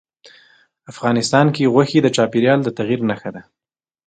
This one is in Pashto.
افغانستان کې غوښې د چاپېریال د تغیر نښه ده.